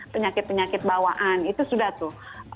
penyakit penyakit bawaan itu sudah tuh